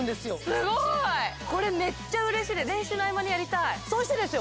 すごいこれめっちゃ嬉しい練習の合間にやりたいそしてですよ